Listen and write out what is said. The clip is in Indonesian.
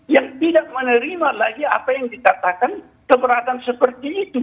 yang tidak menerima lagi apa yang dikatakan keberatan seperti itu